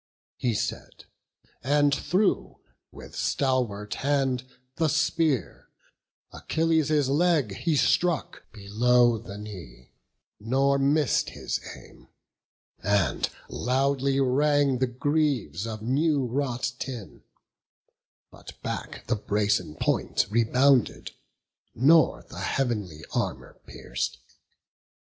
He said, and threw with stalwart hand the spear; Achilles' leg he struck, below the knee, Nor miss'd his aim; and loudly rang the greaves Of new wrought tin; but back the brazen point Rebounded, nor the heav'nly armour pierc'd.